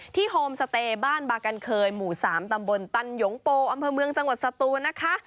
โฮมสเตย์บ้านบากันเคยหมู่๓ตำบลตันหยงโปอำเภอเมืองจังหวัดสตูนนะคะ